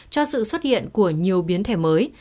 cho sự xuất hiện của nhiều biến thể mới